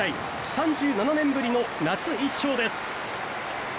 ３７年ぶりの夏、１勝です。